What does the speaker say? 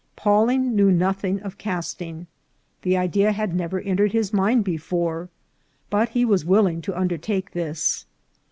Pawling knew nothing of casting. The idea had never entered his mind before, but he was willing to undertake this.